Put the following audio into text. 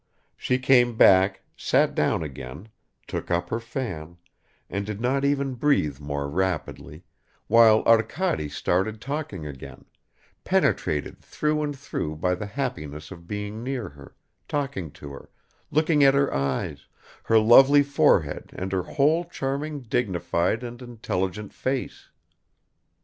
She came back, sat down again, took up her fan, and did not even breathe more rapidly, while Arkady started talking again, penetrated through and through by the happiness of being near her, talking to her, looking at her eyes, her lovely forehead and her whole charming, dignified and intelligent face.